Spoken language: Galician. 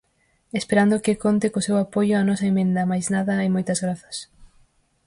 Esperando que conte co seu apoio a nosa emenda, máis nada e moitas grazas.